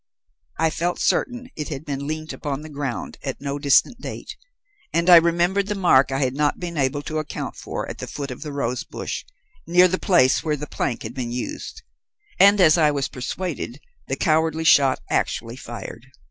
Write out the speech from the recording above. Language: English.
I felt certain it had been leant upon the ground at no distant date; and I remembered the mark I had not been able to account for at the foot of the rose bush, near the place where the plank had been used and, as I was persuaded, the cowardly shot actually fired.